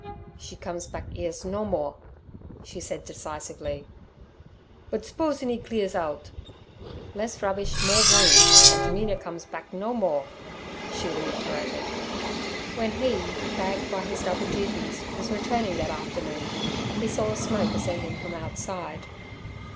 'She comes back 'eres no more' she said decisively. 'Budt s'posin' 'e clears oudt.' 'Less rubbish more room, andt Mina comes back no more' she reiterated. When he, fagged by his double duties, was returning that afternoon, he saw smoke ascending from outside.